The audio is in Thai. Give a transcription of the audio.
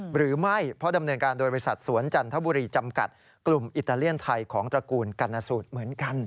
หรือไม่เพราะดำเนินการโดยบริษัทสวนจันทบุรีจำกัดกลุ่มอิตาเลียนไทยของตระกูลกรรณสูตรเหมือนกัน